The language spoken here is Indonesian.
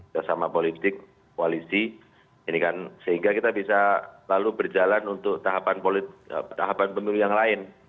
kerjasama politik koalisi ini kan sehingga kita bisa lalu berjalan untuk tahapan pemilu yang lain